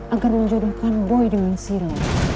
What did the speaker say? agar menjodohkan boy dengan siro